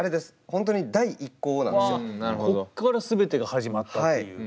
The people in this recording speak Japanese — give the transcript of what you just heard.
本当にこっから全てが始まったっていう。